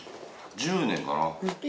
１０年かな。